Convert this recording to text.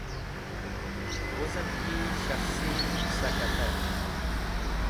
Wuzem yi Shakhsi Sakatar